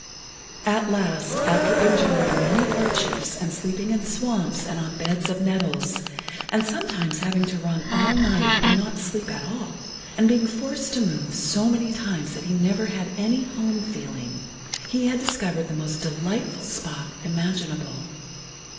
At last, after enduring many hardships and sleeping in swamps and on beds of nettles, and sometimes having to run all night and not sleep at all, and being forced to move so many times that he never had any home feeling, he had discovered the most delightful spot imaginable.